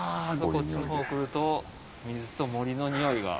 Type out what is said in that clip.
こっちの方来ると水と森のにおいが。